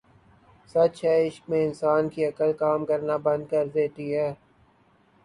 سچ ہے عشق میں انسان کی عقل کام کرنا بند کر دیتی ہے